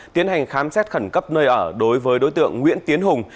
tiến hành khám xét khẩn cấp nơi ở đối với đối tượng nguyễn tiến hùng